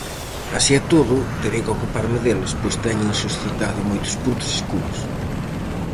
Así e todo, terei que ocuparme deles, pois teñen suscitado moitos puntos escuros.